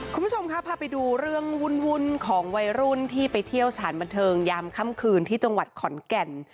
คุณผู้ชมครับพาไปดูเรื่องวุ่นของวัยรุ่นที่ไปเที่ยวสถานบันเทิงยามค่ำคืนที่จังหวัดขอนแก่น